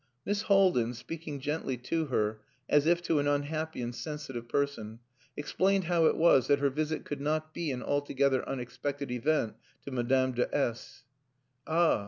Miss Haldin, speaking gently to her, as if to an unhappy and sensitive person, explained how it was that her visit could not be an altogether unexpected event to Madame de S . "Ah!